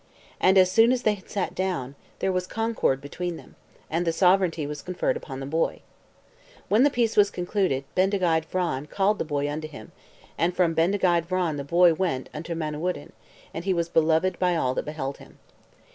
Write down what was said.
And as soon as they had sat down, there was concord between them; and the sovereignty was conferred upon the boy. When the peace was concluded, Bendigeid Vran called the boy unto him, and from Bendigeid Vran the boy went unto Manawyddan; and he was beloved by all that beheld him.